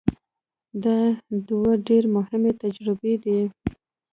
دا دوه ډېرې مهمې تجربې دي.